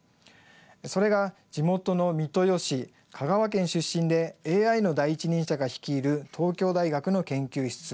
それが地元の三豊市、香川県出身でＡＩの第一人者が率いる東京大学の研究室